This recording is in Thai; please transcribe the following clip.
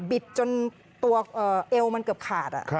บิดจนตัวเอวมันเกือบขาด